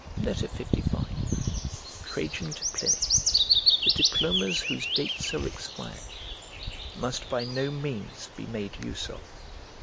LV TRAJAN TO PLINY THE diplomas whose dates are expired must by no means be made use of.